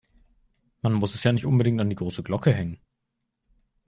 Man muss es ja nicht unbedingt an die große Glocke hängen.